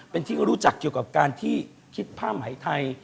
เป็นที่รู้จักเกี่ยวกับการที่คิดผ้าไหมไทย